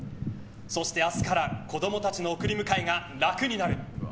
そして明日から子供たちの送り迎えが楽になる。